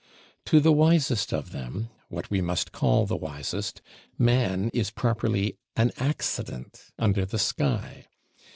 To the wisest of them, what we must call the wisest, man is properly an Accident under the sky.